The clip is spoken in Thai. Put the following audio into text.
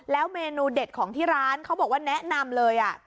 เมนูเด็ดของที่ร้านเขาบอกว่าแนะนำเลย